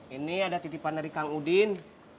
ini ada titipan dari kang udin